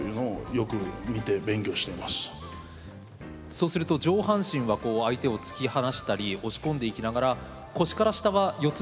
そうすると上半身は相手を突き放したり押し込んでいきながら腰から下は四つ